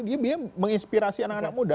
dia menginspirasi anak anak muda